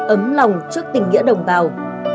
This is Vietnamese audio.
ấm lòng trước tình nghĩa đồng bào